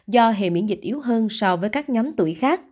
do hiệu quả covid một mươi chín